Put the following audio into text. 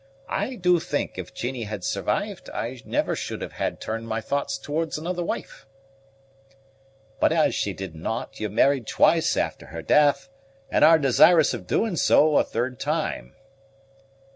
I do think, if Jeannie had survived, I never should have turned my thoughts towards another wife." "But as she did not, you married twice after her death; and are desirous of doing so a third time."